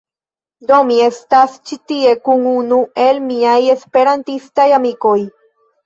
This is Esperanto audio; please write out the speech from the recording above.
Do, mi estas ĉi tie kun unu el miaj esperantistaj amikoj